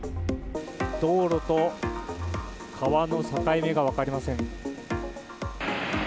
道路と川の境目が分かりません。